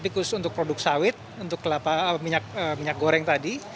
khusus untuk produk sawit untuk kelapa minyak goreng tadi